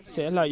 sẽ là yếu tố